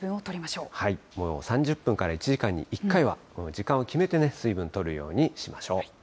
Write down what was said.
もう３０分から１時間に１回は時間を決めて、水分とるようにしましょう。